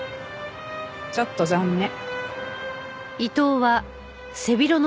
ちょっと残念。